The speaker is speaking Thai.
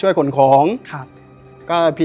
หล่นลงมาสองแผ่นอ้าวหล่นลงมาสองแผ่น